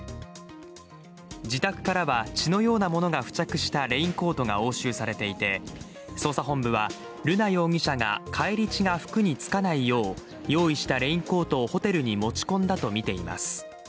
自宅からは血のようなものが付着したレインコートが押収されていて捜査本部は、瑠奈容疑者が返り血が服につかないよう用意したレインコートをホテルに持ち込んだとみています。